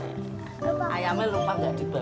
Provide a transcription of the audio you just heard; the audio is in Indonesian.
kami juga mencari jalan untuk mencari jalan